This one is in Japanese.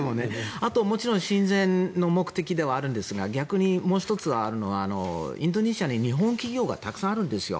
あと、もちろん親善の目的ではあるんですが逆にもう１つはインドネシアに日本企業がたくさんあるんですよ。